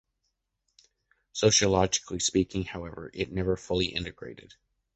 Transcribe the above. Sociologically speaking, however, it never fully integrated.